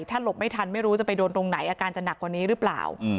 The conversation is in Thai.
ถ้าหลบไม่ทันไม่รู้จะไปโดนตรงไหนอาการจะหนักกว่านี้หรือเปล่า